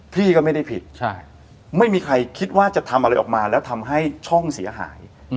พี่ก็ไม่ได้ผิดไม่มีใครคิดว่าจะทำอะไรออกมาแล้วทำให้ช่องเสียหาย